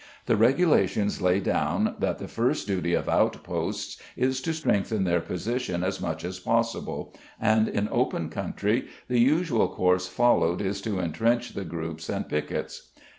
The Regulations lay down that the first duty of outposts is to strengthen their position as much as possible, and in open country the usual course followed is to entrench the groups and piquets.